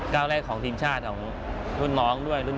ก้าวแรกของทีมชาติของรุ่นน้องด้วยรุ่น